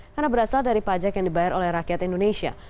karena berasal dari pajak yang dibayar oleh rakyat indonesia